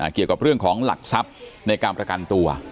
เกี่ยวกับเรื่องของหลักทรัพย์ในการประกันตัว